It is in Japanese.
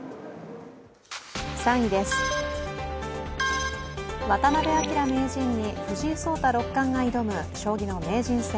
３位です、渡辺明名人に藤井聡太六冠が挑む将棋の名人戦